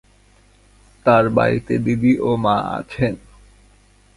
তার বাড়িতে দিদি ও মা আছেন।